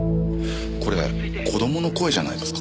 これ子供の声じゃないですか？